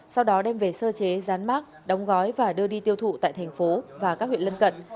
sau đó đem về sơ chế rán mát đóng gói và đưa đi tiêu thụ tại thành phố và các huyện lân cận